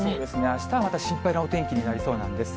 あしたはまた心配なお天気になりそうなんです。